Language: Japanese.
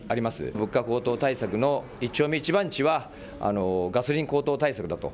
物価高騰対策の一丁目一番地はガソリン高騰対策だと。